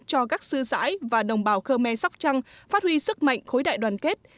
cho các sư sãi và đồng bào khơ me sóc trăng phát huy sức mạnh khối đại đoàn kết